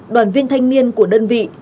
đoàn viên thanh niên của đơn vị